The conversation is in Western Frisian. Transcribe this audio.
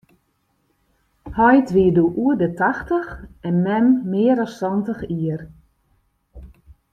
Heit wie doe oer de tachtich en mem mear as santich jier.